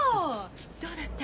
どうだった？